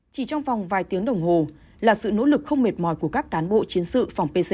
chỉ trong vòng vài tiếng đồng hồ là sự nỗ lực không mệt mỏi của các cán bộ chiến sự phòng pc